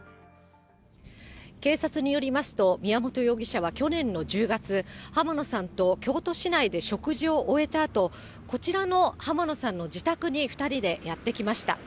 警察によりますと、宮本容疑者は去年の１０月、浜野さんと京都市内で食事を終えたあと、こちらの浜野さんの自宅に２人でやって来ました。